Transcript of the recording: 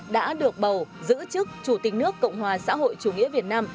đã được bầu giữ chức chủ tịch nước cộng hòa xã hội chủ nghĩa việt nam